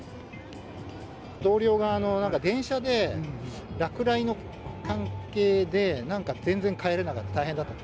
同僚が電車で落雷の関係で、なんか全然帰れなくて、大変だったと。